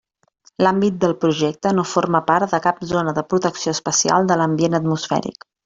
L'àmbit del Projecte no forma part de cap zona de protecció especial de l'ambient atmosfèric.